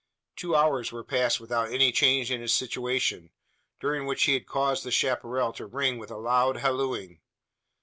Two hours were passed without any change in his situation; during which he had caused the chapparal to ring with a loud hallooing.